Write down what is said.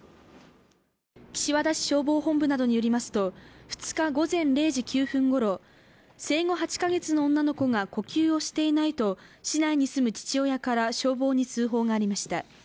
岸和田市消防本部などによりますと、２日午前０時９分ごろ生後８か月の女の子が呼吸をしていないと市内に住む父親から消防に通報がありました。